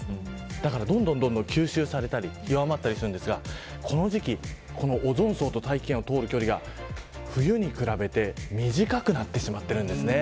だから、どんどん吸収されたり弱まったりするんですがこの時期オゾン層と大気圏を通る距離が冬に比べて短くなってしまっているんです。